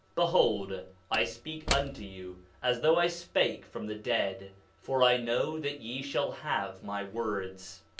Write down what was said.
9:30 Behold, I speak unto you as though I spake from the dead; for I know that ye shall have my words.